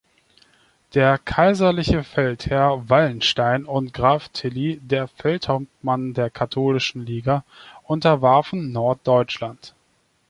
Der kaiserliche Feldherr Wallenstein und Graf Tilly, der Feldhauptmann der Katholischen Liga, unterwarfen Norddeutschland.